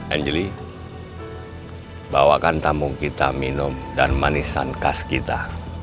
angeli bawakan tamu kita minum dan manisan khas kita